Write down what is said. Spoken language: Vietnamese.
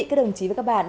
không chịu b norman